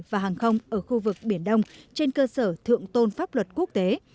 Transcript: và hàng không ở khu vực biển đông trên cơ sở thượng tôn pháp luật quốc tế